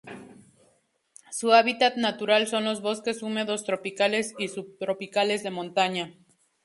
Su hábitat natural son los bosques húmedos tropicales y subtropicales de montaña.